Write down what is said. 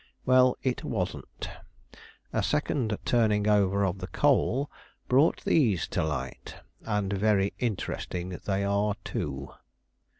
Well, it wasn't. A second turning over of the coal brought these to light, and very interesting they are, too."